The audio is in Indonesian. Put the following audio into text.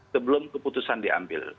sebelum keputusan diambil